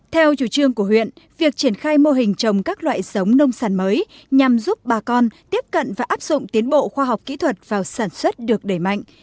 theo chủ trương của huyện việc triển khai mô hình trồng các loại giống nông sản mới nhằm giúp bà con tiếp cận và áp dụng tiến bộ khoa học kỹ thuật vào sản xuất được đẩy mạnh